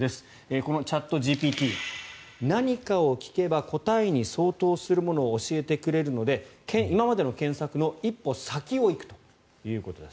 このチャットＧＰＴ何かを聞けば答えに相当するものを教えてくれるので今までの検索の一歩先を行くということです。